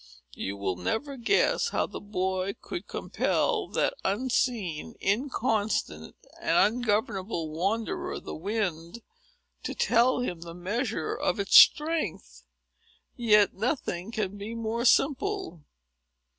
You will never guess how the boy could compel that unseen, inconstant, and ungovernable wanderer, the wind, to tell him the measure of its strength. Yet nothing can be more simple.